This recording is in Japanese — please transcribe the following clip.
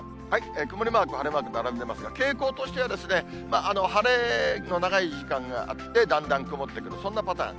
曇りマークと晴れマーク並んでますが、傾向としては、晴れの長い時間があって、だんだん曇ってくる、そんなパターン。